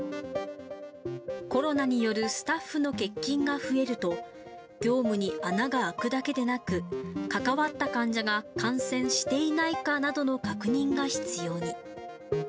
コロナによるスタッフの欠勤が増えると、業務に穴が開くだけでなく、関わった患者が感染していないかなどの確認が必要に。